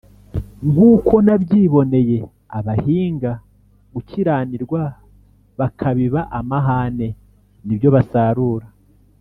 nk’uko nabyiboneye abahinga gukiranirwa bakabiba amahane, ni byo basarura